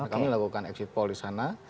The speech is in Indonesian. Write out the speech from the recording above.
kami lakukan exit poll di sana